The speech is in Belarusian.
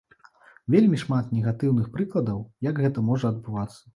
Вельмі шмат негатыўных прыкладаў, як гэта можа адбывацца.